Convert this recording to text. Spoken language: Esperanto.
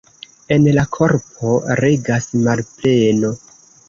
En la korpo regas malpleno.